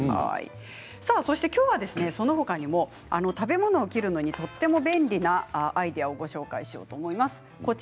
今日は、その他にも食べ物を切るのにとても便利なアイデアをご紹介します。